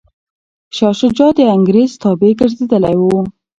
شاه شجاع د انګریز تابع ګرځېدلی و.